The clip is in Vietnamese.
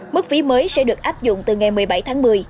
mức phí mới sẽ được áp dụng từ ngày một mươi bảy tháng một mươi